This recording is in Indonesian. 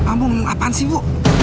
amung apaan sih bu